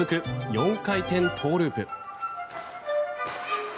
４回転トウループ。